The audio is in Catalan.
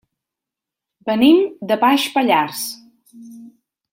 Venim de Baix Pallars.